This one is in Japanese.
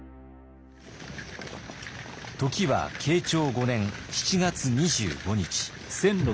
時は慶長５年７月２５日。